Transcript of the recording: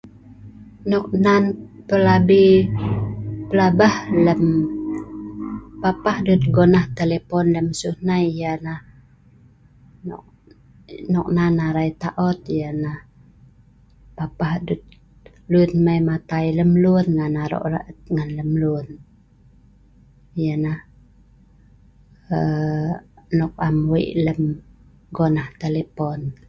Nok nan plabi plabeh lem papah dut gonah telepon lem siew nei ialah nok nan arei taot ialah papeh dut lun mei matai lemlun nan ro et ngen lun nyeh neh aa.. nok am weik gonah telepon